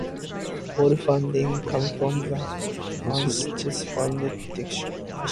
All funding comes from the Anschutz Foundation.